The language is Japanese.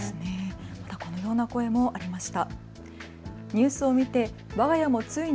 このような声もありました。